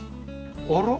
あら？